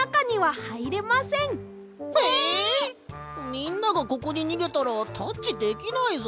みんながここににげたらタッチできないぞ。